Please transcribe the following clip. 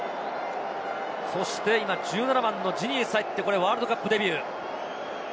そして、ジニースが入ってワールドカップデビュー。